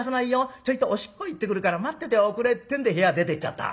ちょいとおしっこへ行ってくるから待ってておくれ』ってんで部屋出ていっちゃった。